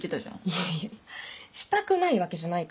いやいやしたくないわけじゃないから。